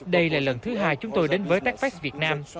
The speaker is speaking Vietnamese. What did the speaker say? đây là lần thứ hai chúng tôi đến với techfest việt nam